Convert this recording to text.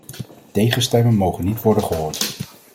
Tegenstemmen mogen niet worden gehoord.